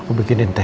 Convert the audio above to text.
aku bikinin teh